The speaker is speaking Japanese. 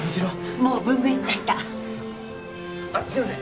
もう分べん室入ったあっすいません！